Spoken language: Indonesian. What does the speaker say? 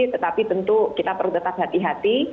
tetapi tentu kita perlu tetap hati hati